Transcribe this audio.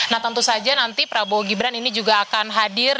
nah tentu saja nanti prabowo gibran ini juga akan hadir